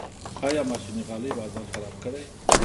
آیا ماشیني غالۍ بازار خراب کړی؟